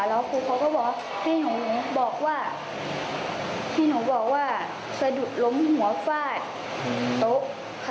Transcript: แล้วครูเขาก็บอกให้หนูบอกว่าสะดุดล้มหัวฝาดโต๊ะค่ะ